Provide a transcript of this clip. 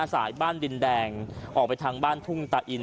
สายบ้านดินแดงออกไปทางบ้านทุ่งตาอิน